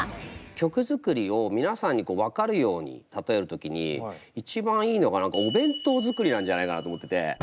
曲作りを皆さんに分かるように例える時に一番いいのが何かお弁当作りなんじゃないかなと思ってて。